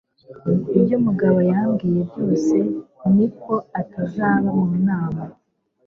Ibyo Mugabo yambwiye byose ni uko atazaba mu nama.